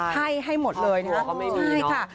ให้ให้หมดเลยนะครับ